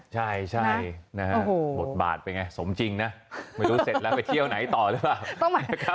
ใช่นะฮะบทบาทเป็นไงสมจริงนะไม่รู้เสร็จแล้วไปเที่ยวไหนต่อหรือเปล่า